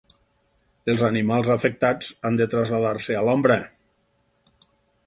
Els animals afectats han de traslladar-se a l'ombra.